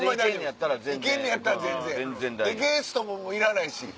ゲストもいらないし。